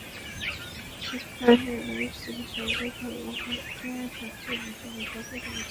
শিক্ষানবিশ চিকিৎসকদের ধর্মঘটে সবচেয়ে বেশি বিপাকে পড়েছেন বিভিন্ন ওয়ার্ডে ভর্তি হওয়া রোগীরা।